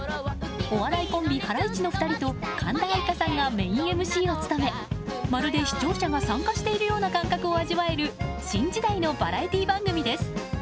お笑いコンビ、ハライチの２人と神田愛花さんがメインＭＣを務めまるで視聴者が参加しているような感覚を味わえる新時代のバラエティー番組です。